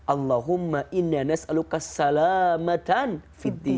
allahumma inni as'aluka salamatan fi d din